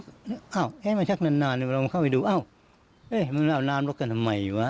คือเรียกได้ว่าคือ๒คนเนี่ยวิสัยเหมือนกันเลย